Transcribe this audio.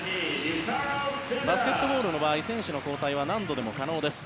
バスケットボールの場合選手の交代は何度でも可能です。